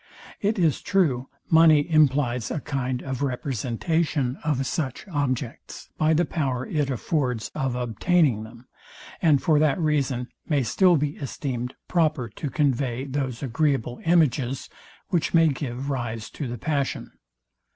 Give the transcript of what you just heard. It is true; money implies a kind of representation of such objects, by the power it affords of obtaining them; and for that reason may still be esteemed proper to convey those agreeable images, which may give rise to the passion.